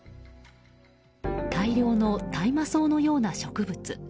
大量の大麻草のような植物。